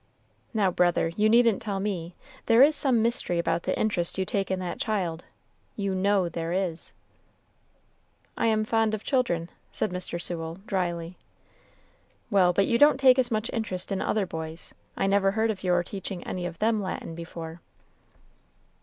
"Now, brother, you needn't tell me; there is some mystery about the interest you take in that child, you know there is." "I am fond of children," said Mr. Sewell, dryly. "Well, but you don't take as much interest in other boys. I never heard of your teaching any of them Latin before."